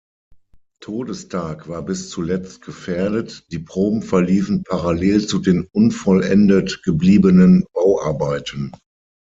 Todestag war bis zuletzt gefährdet, die Proben verliefen parallel zu den unvollendet gebliebenen Bauarbeiten.